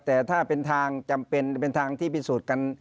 แต่ถ้าเป็นทางจำเป็นจะเป็นทางที่พิสูจน์กัน